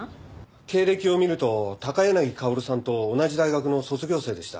経歴を見ると高柳薫さんと同じ大学の卒業生でした。